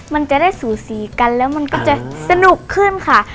มันจะได้สูสีกันแล้วมันก็จะสนุกขึ้นค่ะ